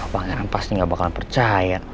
pangeran pasti gak bakal percaya